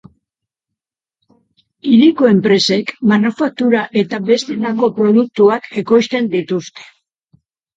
Hiriko enpresek, manufaktura eta bestelako produktuak ekoizten dituzte.